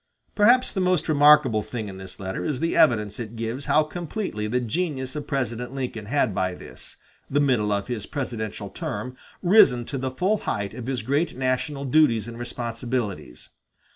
Perhaps the most remarkable thing in this letter is the evidence it gives how completely the genius of President Lincoln had by this, the middle of his presidential term, risen to the full height of his great national duties and responsibilities.